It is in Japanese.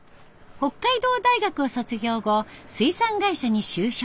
北海道大学を卒業後水産会社に就職。